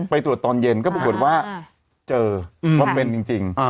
ไปตรวจตอนเย็นก็ปรากฏว่าเจอเพราะเป็นจริง